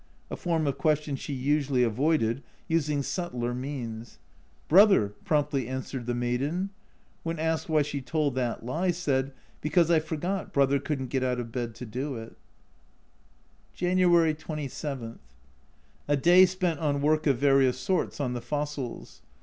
(a form of question she usually avoided, using subtler means). " Brother," promptly answered the maiden. When asked why she told that lie, said, " Because I forgot Brother couldn't get out of bed to do it I " January 27. A day spent on work of various sorts on the fossils.